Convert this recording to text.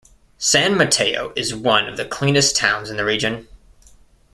San Mateo is one of the cleanest town in the region.